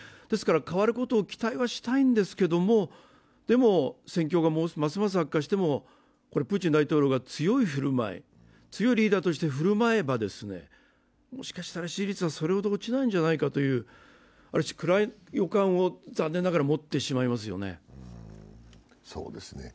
変わることを期待はしたいんですけれども、戦況がますます悪化してもプーチン大統領が強い振る舞い、強いリーダーとして振る舞えばもしかしたら支持率はそれほど落ちないんじゃないかというある種、暗い予感を残念ながら持ってしまいますよね。